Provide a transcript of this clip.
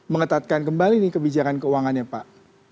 mengetatkan kembali nih kebijakan keuangannya pak